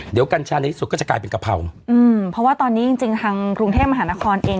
เดี๋ยวกัญชาในที่สุดก็จะกลายเป็นกะเพราอืมเพราะว่าตอนนี้จริงจริงทางกรุงเทพมหานครเอง